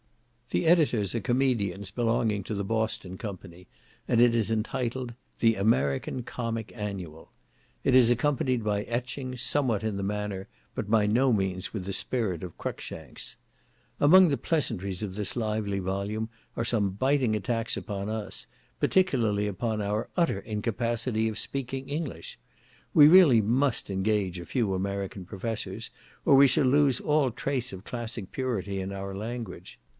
The editors are comedians belonging to the Boston company, and it is entitled "The American Comic Annual." It is accompanied by etchings, somewhat in the manner, but by no means with the spirit of Cruikshank's. Among the pleasantries of this lively volume are some biting attacks upon us, particularly upon our utter incapacity of speaking English. We really must engage a few American professors, or we shall lose all trace of classic purity in our language.